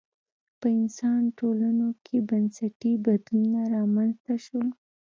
په انسان ټولنو کې بنسټي بدلونونه رامنځته شول